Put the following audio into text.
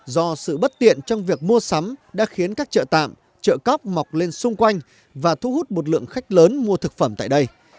do sự bất tiện trong việc mua sắm đã khiến các chợ tạm chợ cóc mọc lên xung quanh và thu hút một lượng khách lớn mua thực phẩm tại đây